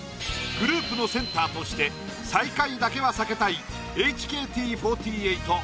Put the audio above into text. グループのセンターとして最下位だけは避けたい。